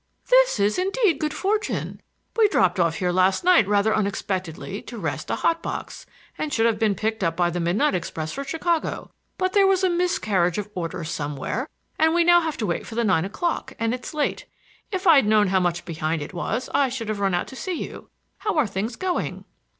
"This is indeed good fortune! We dropped off here last night rather unexpectedly to rest a hot box and should have been picked up by the midnight express for Chicago; but there was a miscarriage of orders somewhere and we now have to wait for the nine o'clock, and it's late. If I'd known how much behind it was I should have run out to see you. How are things going?"